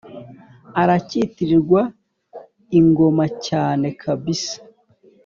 urakitirirwa ingoma cyane kabsa